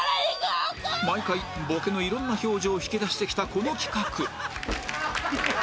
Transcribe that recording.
毎回ボケのいろんな表情を引き出してきたこの企画